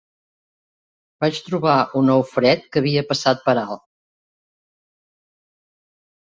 Vaig trobar un ou fred que havia passat per alt.